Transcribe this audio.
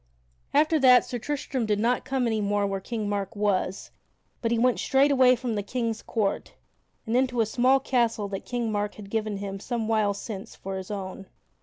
After that Sir Tristram did not come any more where King Mark was, but he went straight away from the King's court and into a small castle that King Mark had given him some while since for his own.